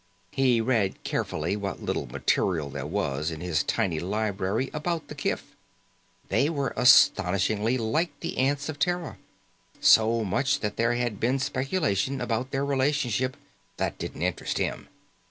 He read carefully what little material there was in his tiny library about the kif. They were astonishingly like the ants of Terra. So much that there had been speculation about their relationship that didn't interest him.